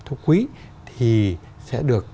theo quý thì sẽ được